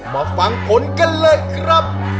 มาฟังผลกันเลยครับ